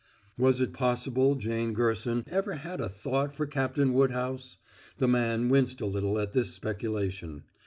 Was it possible Jane Gerson ever had a thought for Captain Woodhouse? The man winced a little at this speculation.